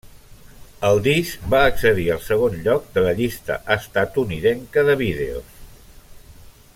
El disc va accedir al segon lloc de la llista estatunidenca de vídeos.